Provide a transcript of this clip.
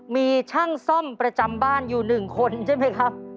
มีช่างซ่อมประจำบ้านอยู่หนึ่งคนใช่มั้ยครับ